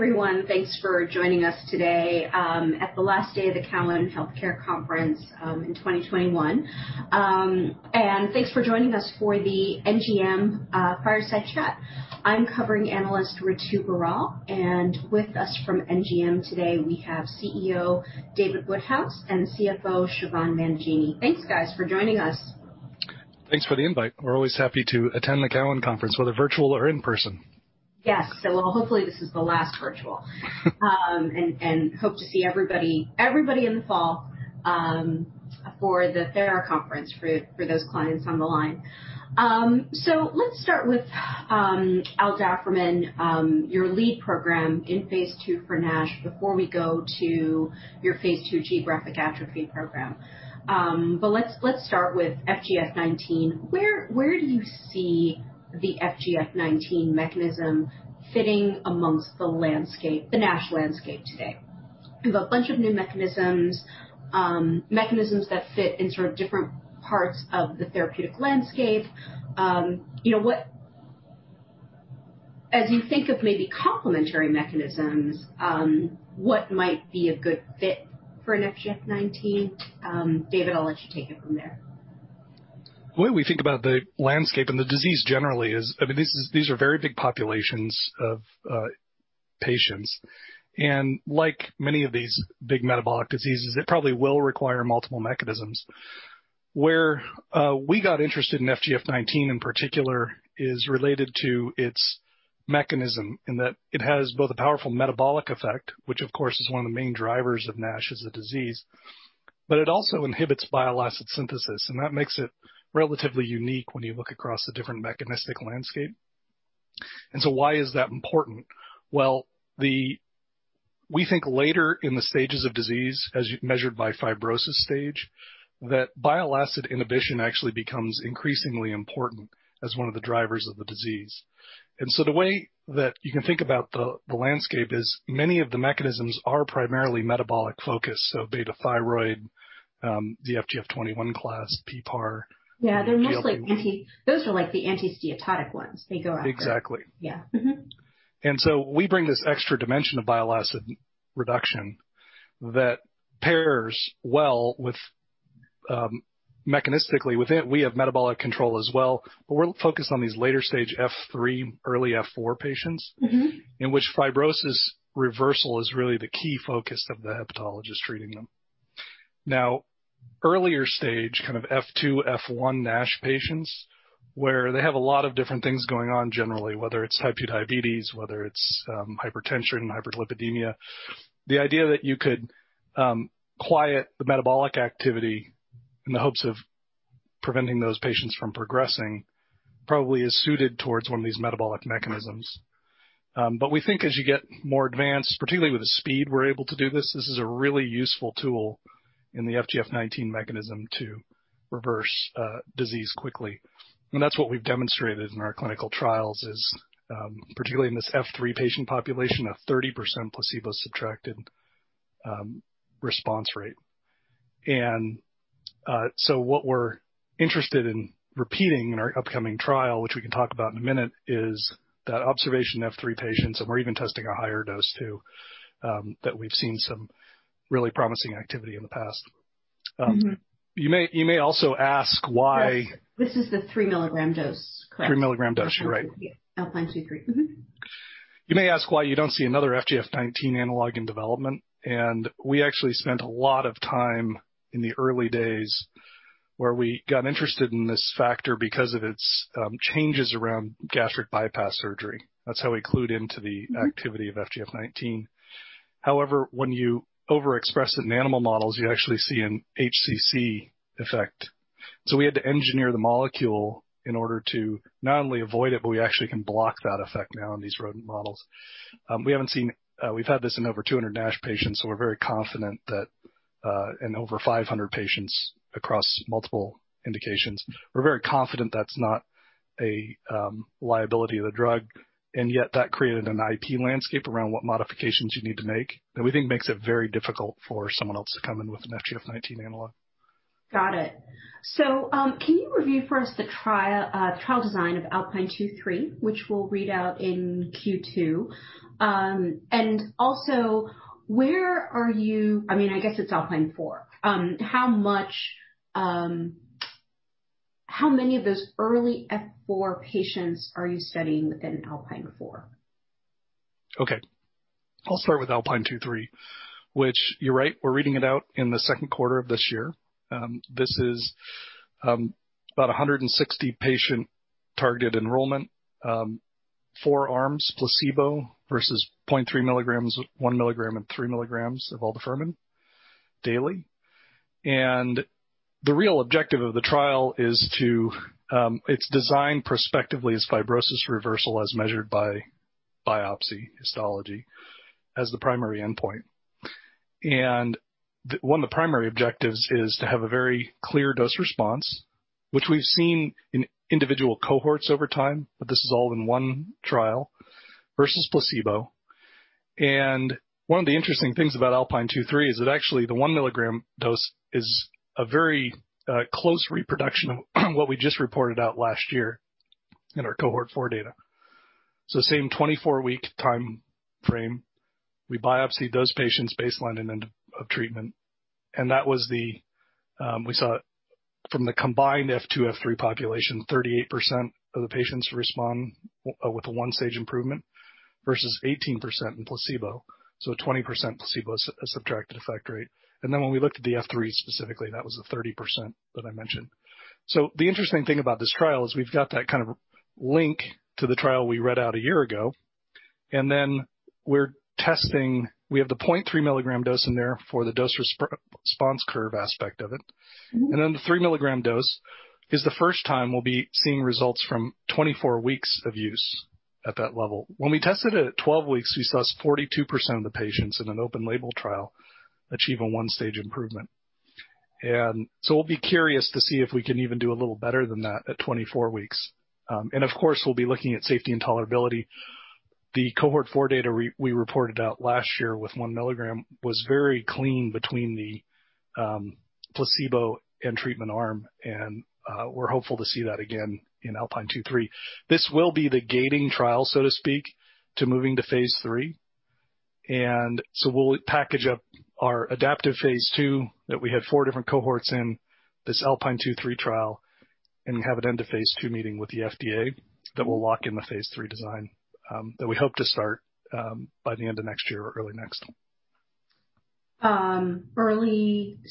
Hi, everyone. Thanks for joining us today at the last day of the Cowen Healthcare Conference in 2021. Thanks for joining us for the NGM Fireside Chat. I'm covering analyst Ritu Baral, and with us from NGM today, we have CEO David Woodhouse and CFO Siobhan Mangini. Thanks, guys, for joining us. Thanks for the invite. We're always happy to attend the Cowen conference, whether virtual or in person. Yes. Well, hopefully this is the last virtual. Hope to see everybody in the fall for the FAIR Conference for those clients on the line. Let's start with aldafermin, your lead program in phase II for NASH, before we go to your phase II geographic atrophy program. Let's start with FGF19. Where do you see the FGF19 mechanism fitting amongst the NASH landscape today? We have a bunch of new mechanisms that fit in sort of different parts of the therapeutic landscape. As you think of maybe complementary mechanisms, what might be a good fit for an FGF19? David, I'll let you take it from there. The way we think about the landscape and the disease generally is, these are very big populations of patients. Like many of these big metabolic diseases, it probably will require multiple mechanisms. Where we got interested in FGF19, in particular, is related to its mechanism in that it has both a powerful metabolic effect, which of course is one of the main drivers of NASH as a disease, but it also inhibits bile acid synthesis, and that makes it relatively unique when you look across the different mechanistic landscape. Why is that important? Well, we think later in the stages of disease, as measured by fibrosis stage, that bile acid inhibition actually becomes increasingly important as one of the drivers of the disease. The way that you can think about the landscape is many of the mechanisms are primarily metabolic focused, so be it a thyroid hormone receptor beta, the FGF21 class, PPAR. Those are like the anti-steatotic ones. Exactly. We bring this extra dimension of bile acid reduction that pairs well with, mechanistically within, we have metabolic control as well, but we're focused on these later stage F3, early F4 patients. In which fibrosis reversal is really the key focus of the hepatologist treating them. Earlier stage, kind of F2, F1 NASH patients, where they have a lot of different things going on generally, whether it's type 2 diabetes, whether it's hypertension, hyperlipidemia. The idea that you could quiet the metabolic activity in the hopes of preventing those patients from progressing probably is suited towards one of these metabolic mechanisms. We think as you get more advanced, particularly with the speed we're able to do this is a really useful tool in the FGF19 mechanism to reverse disease quickly. That's what we've demonstrated in our clinical trials is, particularly in this F3 patient population, a 30% placebo-subtracted response rate. What we're interested in repeating in our upcoming trial, which we can talk about in a minute, is that observation of F3 patients, and we're even testing a higher dose too, that we've seen some really promising activity in the past. You may also ask why- This is the 3 mg dose, correct? 3 mg dose. You're right. ALPINE 2/3. You may ask why you don't see another FGF19 analog in development. We actually spent a lot of time in the early days where we got interested in this factor because of its changes around gastric bypass surgery. That's how we clued into the activity of FGF19. When you overexpress it in animal models, you actually see an HCC effect. We had to engineer the molecule in order to not only avoid it, but we actually can block that effect now in these rodent models. We've had this in over 200 NASH patients, so we're very confident that- and over 500 patients across multiple indications. We're very confident that's not a liability of the drug. Yet that created an IP landscape around what modifications you need to make that we think makes it very difficult for someone else to come in with an FGF19 analog. Got it. Can you review for us the trial design of ALPINE 2/3, which will read out in Q2? I guess it's ALPINE 4. How many of those early F4 patients are you studying within ALPINE 4? Okay. I'll start with ALPINE 2/3, which you're right, we're reading it out in the second quarter of this year. This is about 160 patient target enrollment. Four arms, placebo versus 0.3 mg, 1 mg, and 3 mg of aldafermin daily. The real objective of the trial It's designed prospectively as fibrosis reversal as measured by biopsy histology as the primary endpoint. One of the primary objectives is to have a very clear dose response, which we've seen in individual cohorts over time, but this is all in one trial, versus placebo. One of the interesting things about ALPINE 2/3 is that actually the 1 mg dose is a very close reproduction of what we just reported out last year in our Cohort 4 data. So same 24-week time frame. We biopsied those patients baseline and end of treatment. We saw from the combined F2, F3 population, 38% of the patients respond with a 1-stage improvement versus 18% in placebo. 20% placebo subtracted effect rate. When we looked at the F3 specifically, that was the 30% that I mentioned. The interesting thing about this trial is we've got that kind of link to the trial we read out a year ago, and then we have the 0.3 mg dose in there for the dose response curve aspect of it. The 3mg dose is the first time we'll be seeing results from 24 weeks of use at that level. When we tested it at 12 weeks, we saw 42% of the patients in an open label trial achieve a one-stage improvement. We'll be curious to see if we can even do a little better than that at 24 weeks. We'll be looking at safety and tolerability. The Cohort 4 data we reported out last year with 1 mg was very clean between the placebo and treatment arm, and we're hopeful to see that again in ALPINE 2/3. This will be the gating trial, so to speak, to moving to phase III. We'll package up our adaptive phase II that we had four different cohorts in this ALPINE 2/3 trial and have an end-of-phase II meeting with the FDA that will lock in the phase III design that we hope to start by the end of next year or early next.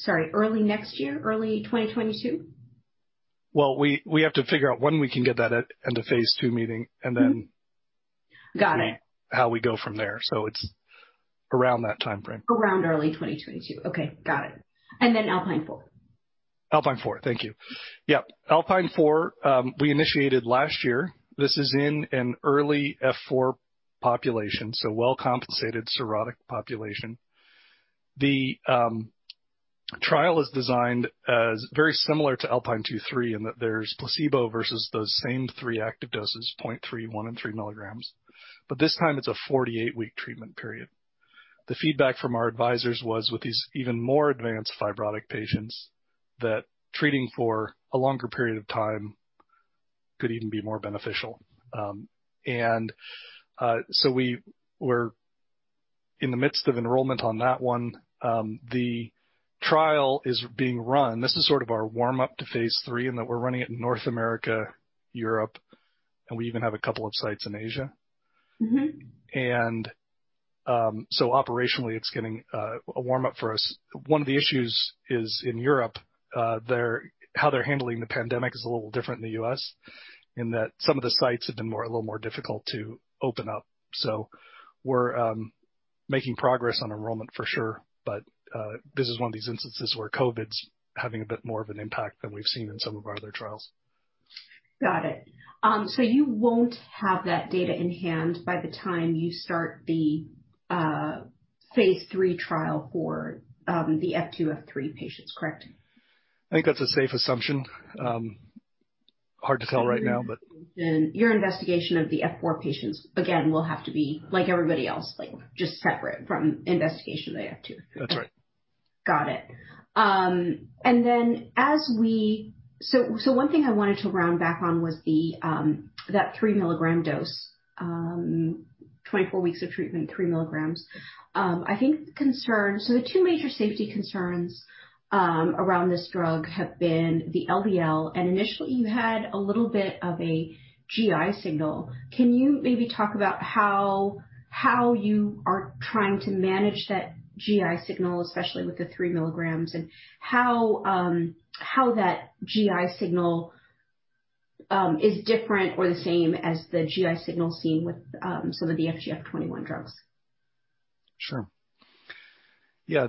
Sorry, early next year? Early 2022? Well, we have to figure out when we can get that at end of phase II meeting and then. Got it. How we go from there. It's around that timeframe. Around early 2022. Okay, got it. ALPINE 4. ALPINE 4. Thank you. Yep. ALPINE 4, we initiated last year. This is in an early F4 population, well-compensated cirrhotic population. The trial is designed as very similar to ALPINE 2/3 in that there's placebo versus those same three active doses, 0.3 mg, 1 mg and 3 mg. This time it's a 48-week treatment period. The feedback from our advisors was with these even more advanced fibrotic patients, that treating for a longer period of time could even be more beneficial. We were in the midst of enrollment on that one. The trial is being run. This is sort of our warm-up to phase III in that we're running it in North America, Europe, and we even have a couple of sites in Asia. Operationally it's getting a warm-up for us. One of the issues is in Europe, how they're handling the pandemic is a little different than the U.S. in that some of the sites have been a little more difficult to open up. We're making progress on enrollment for sure, but this is one of these instances where COVID's having a bit more of an impact than we've seen in some of our other trials. Got it. You won't have that data in hand by the time you start the phase III trial for the F2, F3 patients, correct? I think that's a safe assumption. Hard to tell right now. Your investigation of the F4 patients, again, will have to be like everybody else, just separate from investigation of the F2. That's right. Got it. One thing I wanted to round back on was that 3 mg dose, 24 weeks of treatment, 3 mg. The two major safety concerns around this drug have been the LDL, and initially you had a little bit of a GI signal. Can you maybe talk about how you are trying to manage that GI signal, especially with the 3 mg, and how that GI signal is different or the same as the GI signal seen with some of the FGF21 drugs? Sure. Yeah.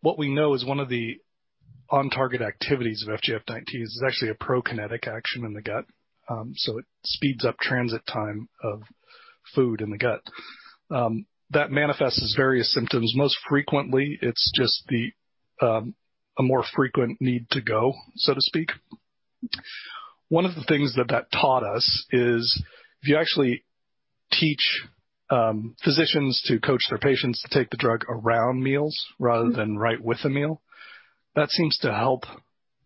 What we know is one of the on-target activities of FGF19 is there's actually a prokinetic action in the gut. It speeds up transit time of food in the gut. That manifests as various symptoms. Most frequently, it's just a more frequent need to go, so to speak. One of the things that that taught us is if you actually teach physicians to coach their patients to take the drug around meals rather than right with the meal, that seems to help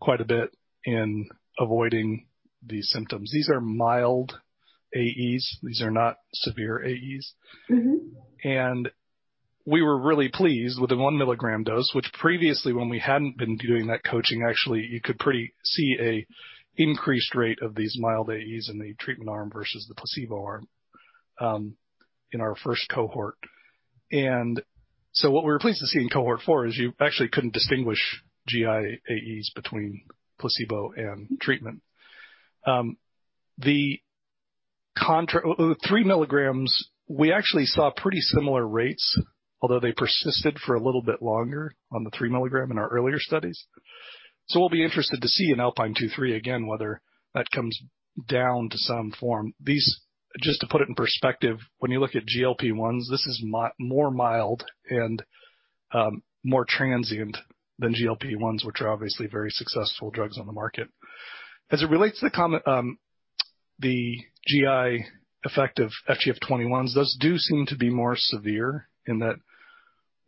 quite a bit in avoiding these symptoms. These are mild AEs. These are not severe AEs. We were really pleased with the 1 mg dose, which previously, when we hadn't been doing that coaching, actually, you could see a increased rate of these mild AEs in the treatment arm versus the placebo arm in our first cohort. What we were pleased to see in Cohort 4 is you actually couldn't distinguish GI AEs between placebo and treatment. The 3 mgs, we actually saw pretty similar rates, although they persisted for a little bit longer on the 3 mg in our earlier studies. We'll be interested to see in ALPINE 2/3 again, whether that comes down to some form. These, just to put it in perspective, when you look at GLP-1s, this is more mild and more transient than GLP-1s, which are obviously very successful drugs on the market. As it relates to the GI effect of FGF21s, those do seem to be more severe in that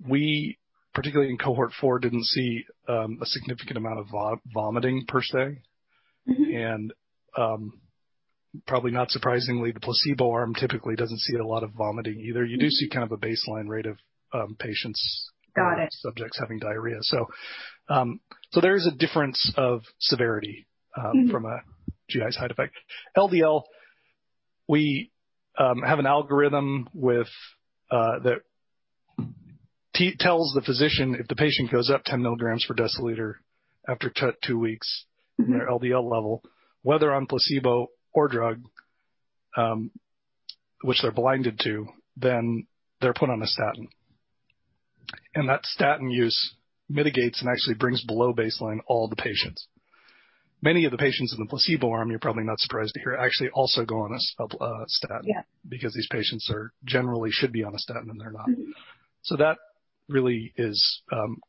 we, particularly in Cohort 4, didn't see a significant amount of vomiting per se. Probably not surprisingly, the placebo arm typically doesn't see a lot of vomiting either. You do see kind of a baseline rate of patients. Got it. Subjects having diarrhea. There is a difference of severity from a GI side effect. LDL, we have an algorithm that tells the physician if the patient goes up 10 mg per deciliter after two weeks. THeir LDL level, whether on placebo or drug, which they're blinded to, then they're put on a statin. That statin use mitigates and actually brings below baseline all the patients. Many of the patients in the placebo arm, you're probably not surprised to hear, actually also go on a statin. Yeah Because these patients generally should be on a statin, and they're not. That really is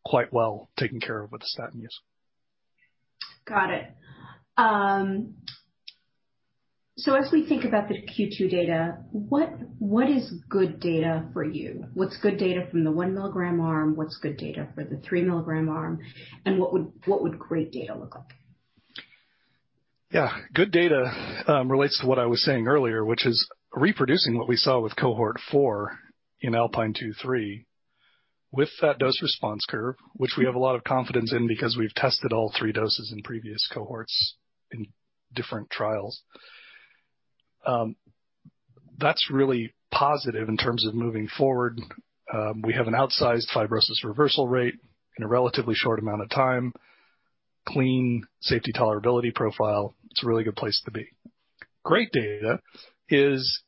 quite well taken care of with the statin use. Got it. As we think about the Q2 data, what is good data for you? What's good data from the 1 mg arm? What's good data for the 3 mg arm? What would great data look like? Yeah. Good data relates to what I was saying earlier, which is reproducing what we saw with Cohort 4 in ALPINE 2/3 with that dose response curve, which we have a lot of confidence in because we've tested all 3 doses in previous cohorts in different trials. That's really positive in terms of moving forward. We have an outsized fibrosis reversal rate in a relatively short amount of time, clean safety tolerability profile. It's a really good place to be. Great data is,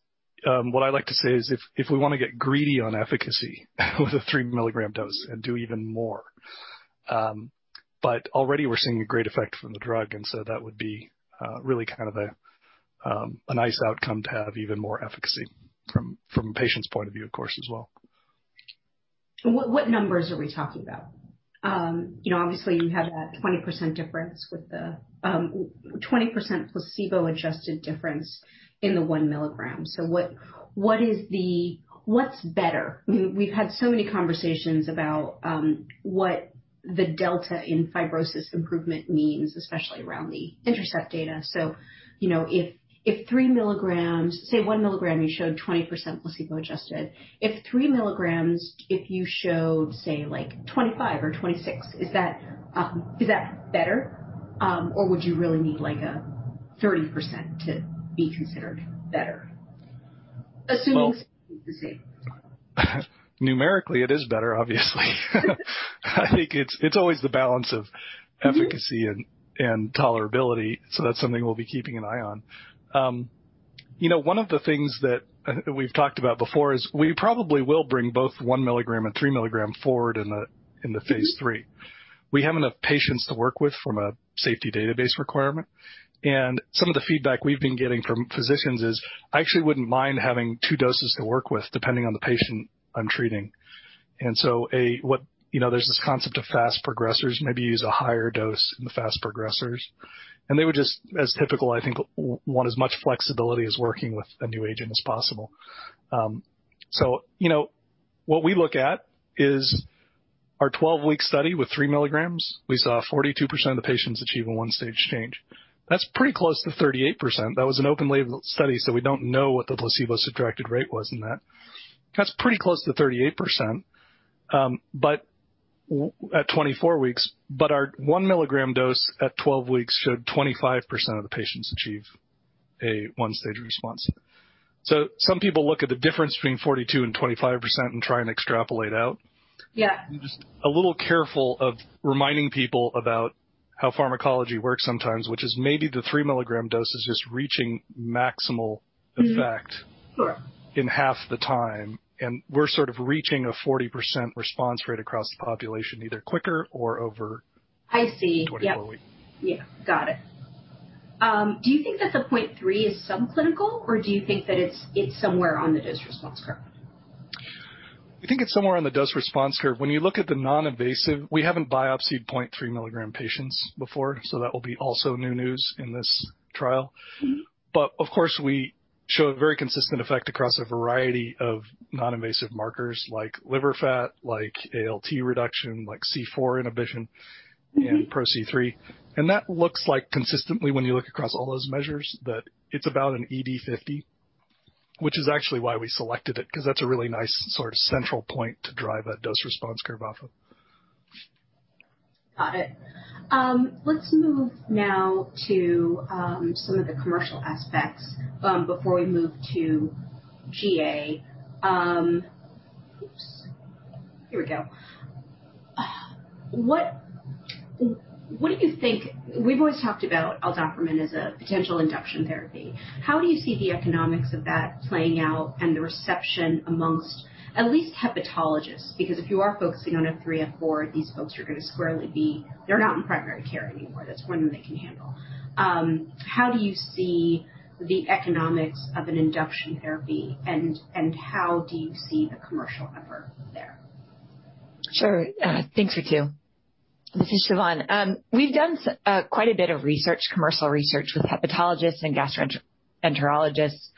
what I like to say is, if we want to get greedy on efficacy with a 3 mg dose and do even more. Already we're seeing a great effect from the drug, that would be really kind of a nice outcome to have even more efficacy from a patient's point of view, of course, as well. What numbers are we talking about? Obviously you have that 20% placebo-adjusted difference in the 1 mg. What's better? We've had so many conversations about what the delta in fibrosis improvement means, especially around the Intercept data. Say 1 mg, you showed 20% placebo-adjusted. If 3 mgs, if you showed, say, 25% or 26%, is that better? Would you really need a 30% to be considered better? Assuming it's the same. Numerically, it is better, obviously. I think it's always the balance of efficacy and tolerability. That's something we'll be keeping an eye on. One of the things that we've talked about before is we probably will bring both 1 mg and 3 mg forward in the phase III. We have enough patients to work with from a safety database requirement. Some of the feedback we've been getting from physicians is, "I actually wouldn't mind having two doses to work with depending on the patient I'm treating." There's this concept of fast progressors, maybe use a higher dose in the fast progressers. They would just, as typical, I think, want as much flexibility as working with a new agent as possible. What we look at is our 12-week study with 3 mg. We saw 42% of the patients achieve a 1-stage change. That's pretty close to 38%. That was an open label study, so we don't know what the placebo-subtracted rate was in that. That's pretty close to 38% at 24 weeks. Our 1 mg dose at 12 weeks showed 25% of the patients achieve a 1-stage response. Some people look at the difference between 42% and 25% and try and extrapolate out. Yeah. I'm just a little careful of reminding people about how pharmacology works sometimes, which is maybe the 3 mg dose is just reaching maximal effect in half the time, and we're sort of reaching a 40% response rate across the population, either quicker or over 24 weeks. I see. Yep. Yeah. Got it. Do you think that the 0.3 mg is subclinical, or do you think that it's somewhere on the dose response curve? I think it's somewhere on the dose response curve. When you look at the non-invasive, we haven't biopsied 0.3 mg patients before, so that will be also new news in this trial. Of course, we show a very consistent effect across a variety of non-invasive markers like liver fat, like ALT reduction, like C4 inhibition. Pro-C3. That looks like consistently, when you look across all those measures, that it's about an ED50, which is actually why we selected it, because that's a really nice sort of central point to drive that dose response curve off of. Got it. Let's move now to some of the commercial aspects before we move to GA. Oops. Here we go. What do you think? We've always talked about aldafermin as a potential induction therapy. How do you see the economics of that playing out and the reception amongst at least hepatologists? Because if you are focusing on F3 and F4, these folks are going to squarely be. They're not in primary care anymore. That's more than they can handle. How do you see the economics of an induction therapy, and how do you see the commercial effort there? Sure. Thanks, Ritu. This is Siobhan. We've done quite a bit of research, commercial research, with hepatologists and gastroenterologists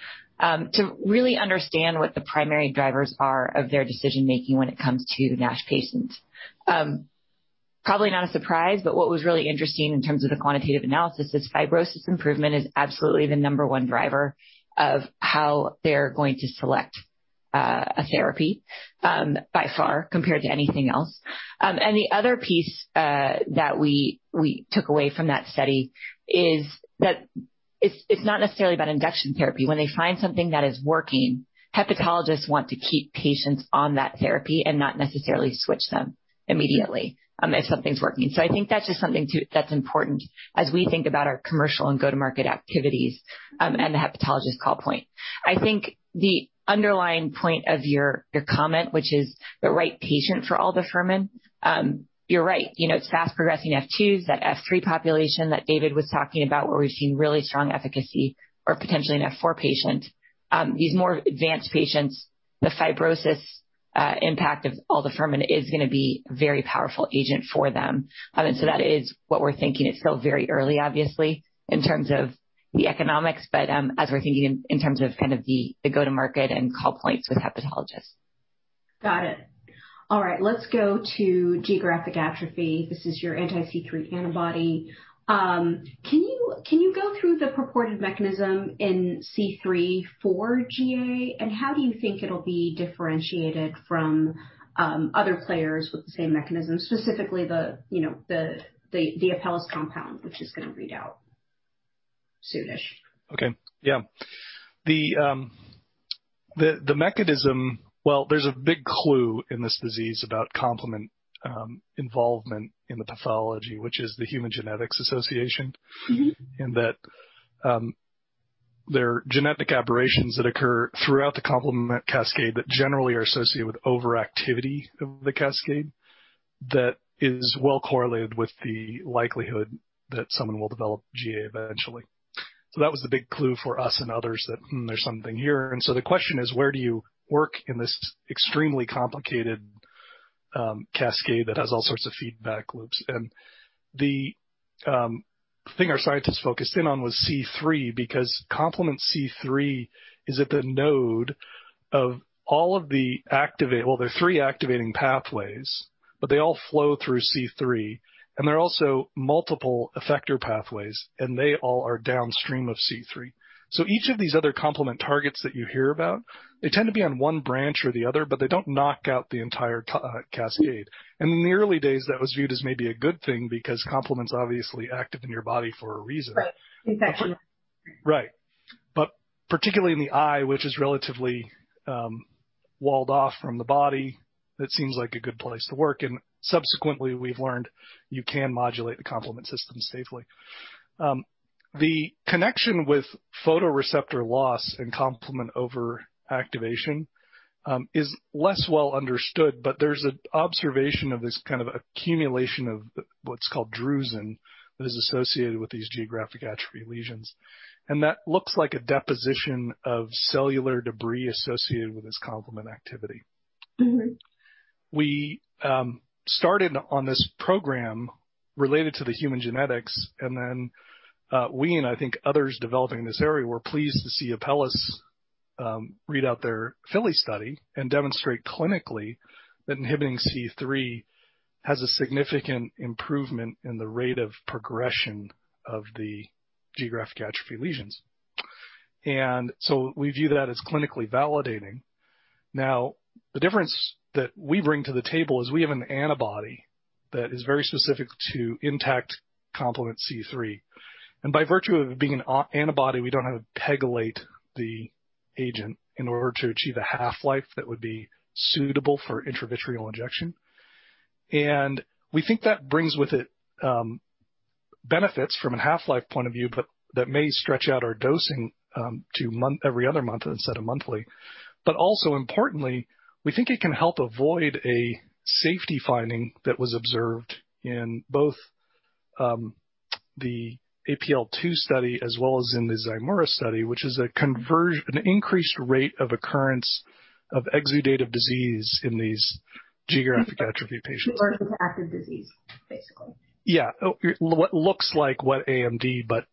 to really understand what the primary drivers are of their decision-making when it comes to NASH patients. Probably not a surprise, but what was really interesting in terms of the quantitative analysis is fibrosis improvement is absolutely the number one driver of how they're going to select a therapy by far, compared to anything else. The other piece that we took away from that study is that it's not necessarily about induction therapy. When they find something that is working, hepatologists want to keep patients on that therapy and not necessarily switch them immediately if something's working. I think that's just something too that's important as we think about our commercial and go-to-market activities, and the hepatologist call point. I think the underlying point of your comment, which is the right patient for aldafermin, you're right. It's fast-progressing F2s, that F3 population that David was talking about, where we've seen really strong efficacy or potentially an F4 patient. These more advanced patients, the fibrosis impact of aldafermin is going to be a very powerful agent for them. That is what we're thinking. It's still very early, obviously, in terms of the economics, as we're thinking in terms of the go-to-market and call points with hepatologists. Got it. All right. Let's go to geographic atrophy. This is your anti-C3 antibody. Can you go through the purported mechanism in C3 for GA? How do you think it'll be differentiated from other players with the same mechanism, specifically the Apellis compound, which is going to read out soon-ish? Okay. Yeah. The mechanism, well, there's a big clue in this disease about complement involvement in the pathology, which is the human genetics association. In that there are genetic aberrations that occur throughout the complement cascade that generally are associated with overactivity of the cascade that is well correlated with the likelihood that someone will develop GA eventually. That was the big clue for us and others that, hmm, there's something here. The question is, "Where do you work in this extremely complicated cascade that has all sorts of feedback loops?" The thing our scientists focused in on was C3, because complement C3 is at the node. Well, there are three activating pathways. They all flow through C3, and there are also multiple effector pathways, and they all are downstream of C3. Each of these other complement targets that you hear about, they tend to be on one branch or the other, but they don't knock out the entire cascade. In the early days, that was viewed as maybe a good thing because complement's obviously active in your body for a reason. Right. Infection. Right. Particularly in the eye, which is relatively walled off from the body, that seems like a good place to work, and subsequently, we've learned you can modulate the complement system safely. The connection with photoreceptor loss and complement overactivation is less well understood, but there's an observation of this kind of accumulation of what's called drusen that is associated with these geographic atrophy lesions. That looks like a deposition of cellular debris associated with this complement activity. We started on this program related to the human genetics. Then we, and I think others developing this area, were pleased to see Apellis readout their FILLY study and demonstrate clinically that inhibiting C3 has a significant improvement in the rate of progression of the geographic atrophy lesions. We view that as clinically validating. Now, the difference that we bring to the table is we have an antibody that is very specific to intact complement C3. By virtue of it being an antibody, we don't have to pegylate the agent in order to achieve a half-life that would be suitable for intravitreal injection. We think that brings with it benefits from a half-life point of view, but that may stretch out our dosing to every other month instead of monthly. Also importantly, we think it can help avoid a safety finding that was observed in both the APL-2 study as well as in the Zimura study, which is an increased rate of occurrence of exudative disease in these geographic atrophy patients. active disease, basically. Yeah. What looks like wet AMD, but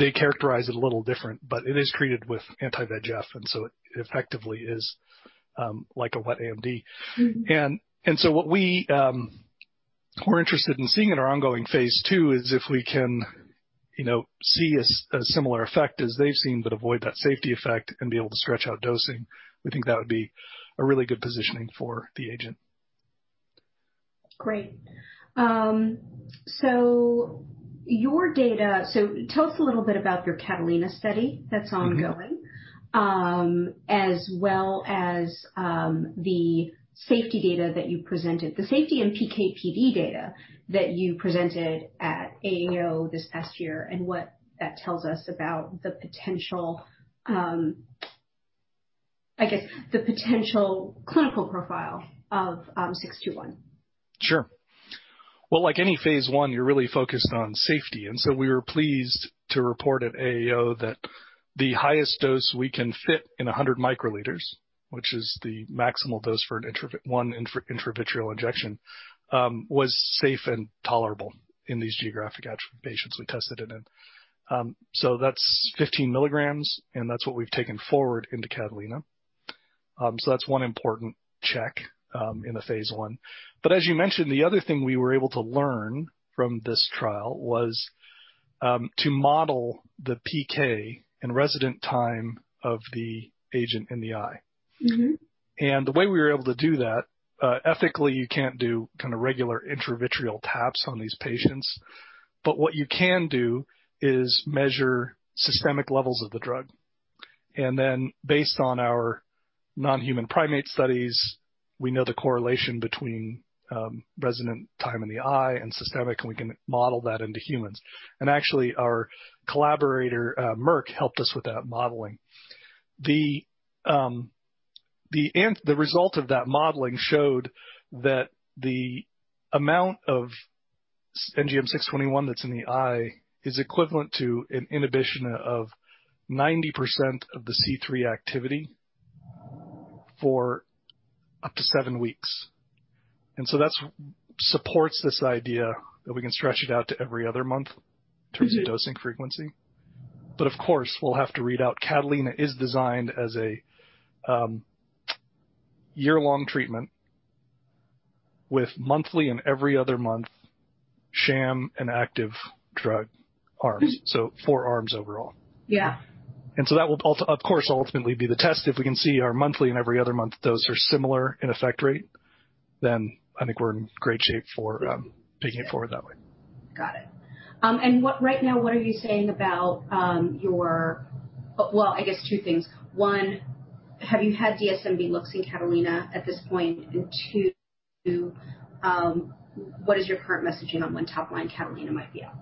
they characterize it a little different, but it is treated with anti-VEGF, and so it effectively is like a wet AMD. What we were interested in seeing in our ongoing phase II is if we can see a similar effect as they've seen but avoid that safety effect and be able to stretch out dosing. We think that would be a really good positioning for the agent. Great. Tell us a little bit about your CATALINA study that's ongoing? As well as the safety data that you presented, the safety and PK/PD data that you presented at AAO this past year, and what that tells us about the potential clinical profile of NGM621. Well, like any phase I, you're really focused on safety. We were pleased to report at AAO that the highest dose we can fit in 100 microliters, which is the maximal dose for one intravitreal injection, was safe and tolerable in these geographic atrophy patients we tested it in. That's 15 mg, and that's what we've taken forward into CATALINA. That's one important check in the phase I. As you mentioned, the other thing we were able to learn from this trial was to model the PK and resident time of the agent in the eye. The way we were able to do that, ethically, you can't do regular intravitreal taps on these patients, but what you can do is measure systemic levels of the drug. Based on our non-human primate studies, we know the correlation between resident time in the eye and systemic, and we can model that into humans. Actually, our collaborator, Merck, helped us with that modeling. The result of that modeling showed that the amount of NGM621 that's in the eye is equivalent to an inhibition of 90% of the C3 activity for up to seven weeks. That supports this idea that we can stretch it out to every other month in terms of dosing frequency. Of course, we'll have to read out. CATALINA is designed as a year-long treatment with monthly and every other month sham and active drug arms. Four arms overall. Yeah. That will, of course, ultimately be the test. If we can see our monthly and every other month dose are similar in effect rate, then I think we're in great shape for taking it forward that way. Got it. Right now, what are you saying about your- well, I guess two things. One, have you had DSMB looks in CATALINA at this point? Two, what is your current messaging on when top line CATALINA might be out?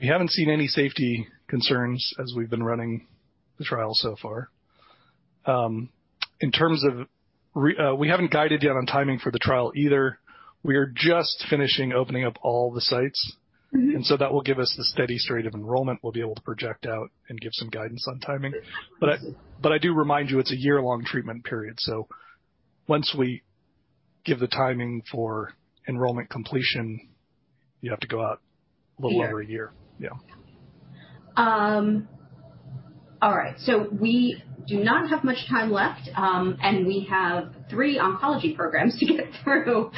We haven't seen any safety concerns as we've been running the trial so far. We haven't guided yet on timing for the trial either. We are just finishing opening up all the sites. That will give us the steady rate of enrollment we'll be able to project out and give some guidance on timing. I do remind you, it's a year-long treatment period. Once we give the timing for enrollment completion, you have to go out a little over a year. Yeah. All right. We do not have much time left, and we have three oncology programs to get through.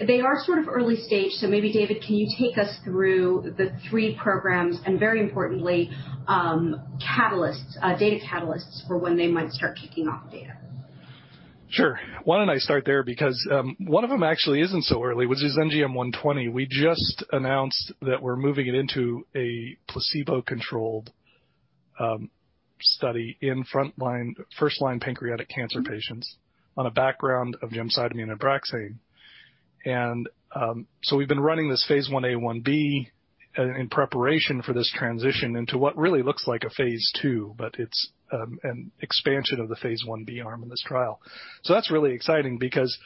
They are sort of early stage, so maybe David, can you take us through the three programs, and very importantly, data catalysts for when they might start kicking off data? Sure. Why don't I start there? One of them actually isn't so early, which is NGM120. We just announced that we're moving it into a placebo-controlled study in first-line pancreatic cancer patients on a background of gemcitabine and nab-paclitaxel. We've been running this phase I-A/I-B in preparation for this transition into what really looks like a phase II, but it's an expansion of the phase I-B arm in this trial. That's really exciting because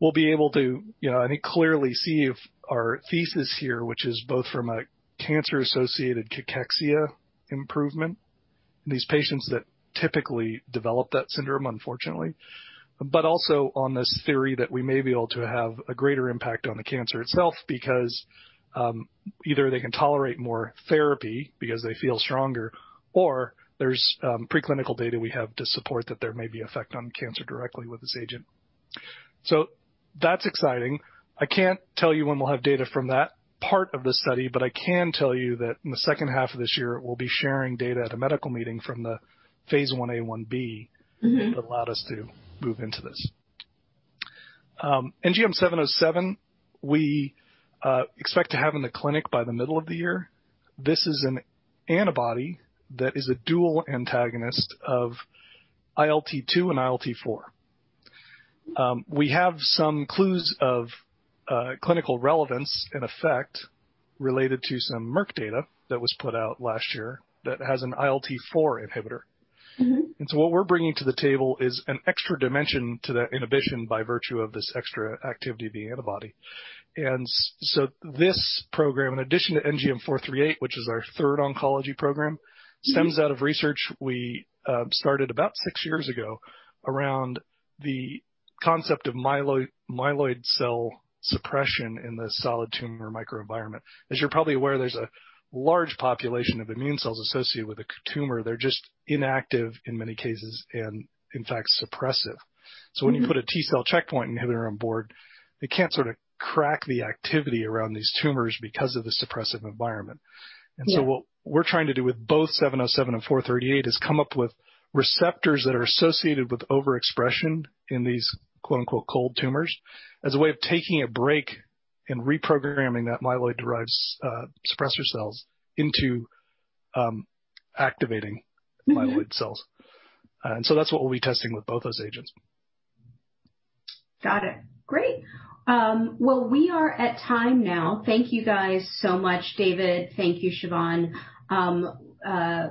we'll be able to clearly see if our thesis here, which is both from a cancer-associated cachexia improvement in these patients that typically develop that syndrome, unfortunately, but also on this theory that we may be able to have a greater impact on the cancer itself, because either they can tolerate more therapy because they feel stronger, or there's preclinical data we have to support that there may be effect on cancer directly with this agent. That's exciting. I can't tell you when we'll have data from that part of the study, but I can tell you that in the second half of this year, we'll be sharing data at a medical meeting from the phase I-A/I-B that allowed us to move into this. NGM707, we expect to have in the clinic by the middle of the year. This is an antibody that is a dual antagonist of ILT2 and ILT4. We have some clues of clinical relevance and effect related to some Merck data that was put out last year that has an ILT4 inhibitor. What we're bringing to the table is an extra dimension to that inhibition by virtue of this extra activity being antibody. This program, in addition to NGM438, which is our third oncology program, stems out of research we started about six years ago around the concept of myeloid cell suppression in the solid tumor microenvironment. As you're probably aware, there's a large population of immune cells associated with a tumor. They're just inactive in many cases, and in fact, suppressive. When you put a T-cell checkpoint inhibitor on board, they can't sort of crack the activity around these tumors because of the suppressive environment. What we're trying to do with both NGM707 and NGM438 is come up with receptors that are associated with overexpression in these "cold tumors" as a way of taking a break and reprogramming that myeloid-derived suppressor cells into activating myeloid cells. That's what we'll be testing with both those agents. Got it. Great. Well, we are at time now. Thank you guys so much, David. Thank you, Siobhan.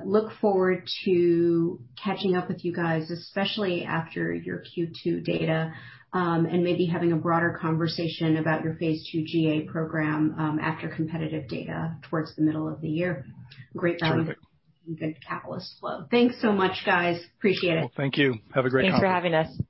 Look forward to catching up with you guys, especially after your Q2 data, and maybe having a broader conversation about your phase II GA program after competitive data towards the middle of the year. Great- Terrific. On the catalyst flow. Thanks so much, guys. Appreciate it. Thank you. Have a great conference. Thanks for having us. Bye